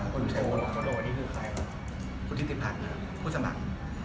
รู้จักเขาน้อย